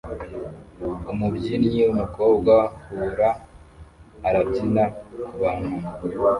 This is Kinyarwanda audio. Umubyinnyi wumukobwa hula arabyina kubantu